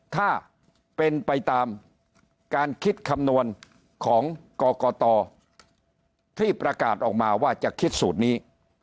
ถ้าเป็นไปตามการคิดคำนวณของกรกตที่ประกาศออกมาว่าจะคิดสูตรนี้